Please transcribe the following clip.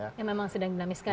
yang memang sedang dinamiskan